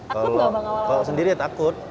kalau sendiri ya takut